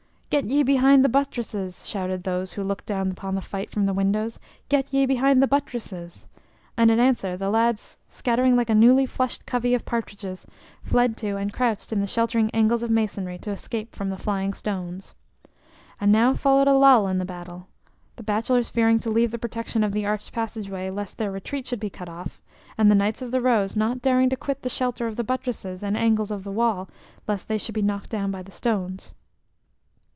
"Get ye behind the buttresses!" shouted those who looked down upon the fight from the windows "get ye behind the buttresses!" And in answer the lads, scattering like a newly flushed covey of partridges, fled to and crouched in the sheltering angles of masonry to escape from the flying stones. And now followed a lull in the battle, the bachelors fearing to leave the protection of the arched passage way lest their retreat should be cut off, and the Knights of the Rose not daring to quit the shelter of the buttresses and angles of the wall lest they should be knocked down by the stones.